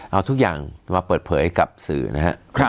เอาทุกอย่างมาเปิดเผยกับสื่อนะครับ